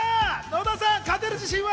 野田さん、勝てる自信は？